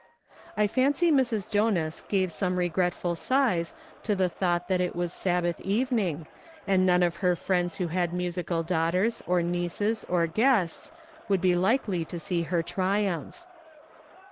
I fancy Mrs. Jonas gave some regretful sighs to the thought that it was Sabbath evening, and none of her friends who had musical daughters or nieces or guests, would be likely to see her triumph.